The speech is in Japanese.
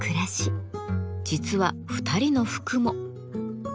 実は２人の服も。